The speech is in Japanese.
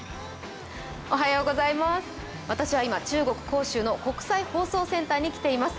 私は今、中国・杭州の国際放送センターに来ています。